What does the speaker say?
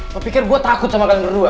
lo pikir gue takut sama kalian berdua